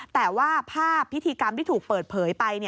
แต่ว่าภาพพิธีกรรมที่ถูกเปิดเผยไป